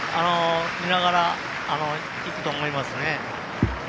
見ながらいくと思いますね。